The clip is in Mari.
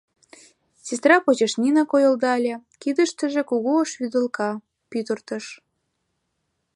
Сестра почеш Нина койылдале, кидыштыже кугу ош вӱдылка, пӱтыртыш.